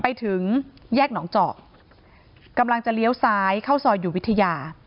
ไปถึงแยกหนองเจาะกำลังจะเลี้ยวซ้ายเข้าซอยอยู่วิทยา